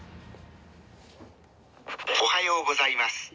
「おはようございます。